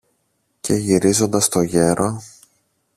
Και γυρίζοντας στο γέρο